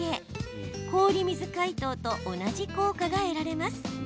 氷水解凍と同じ効果が得られます。